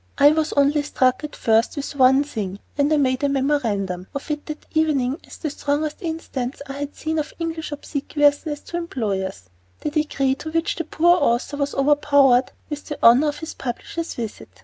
I was only struck at first with one thing and I made a memorandum of it that evening as the strongest instance I had seen of English obsequiousness to employers the degree to which the poor author was overpowered with the honor of his publisher's visit!